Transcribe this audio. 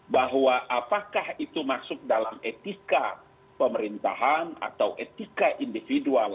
bahwa apakah itu masuk dalam etika pemerintahan atau etika individual